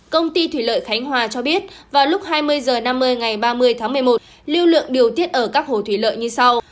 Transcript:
công ty thủy lợi khánh hòa cho biết vào lúc hai mươi h năm mươi ngày ba mươi tháng một mươi một lưu lượng điều tiết ở các hồ thủy lợi như sau